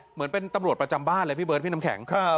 เหมือนเป็นตำรวจประจำบ้านเลยพี่เบิร์ดพี่น้ำแข็ง